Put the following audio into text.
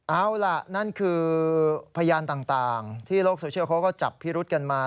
เอาล่ะนั่นคือพยานต่างที่โลกโซเชียลเขาก็จับพิรุษกันมา